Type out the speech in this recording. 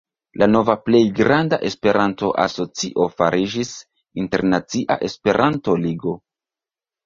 La nova plej granda Esperanto-asocio fariĝis Internacia Esperanto-Ligo.